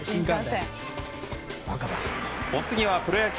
お次はプロ野球。